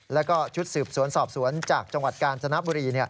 แล้วก็ชุดสืบสวนสอบสวนจากจังหวัดกาญจนบุรี